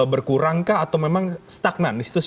berkurangkah atau memang stagnan